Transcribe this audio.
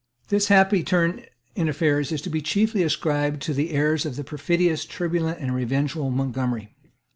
This happy turn in affairs is to be chiefly ascribed to the errors of the perfidious, turbulent and revengeful Montgomery.